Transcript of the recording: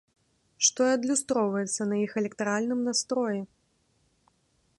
Што і адлюстроўваецца на іх электаральным настроі.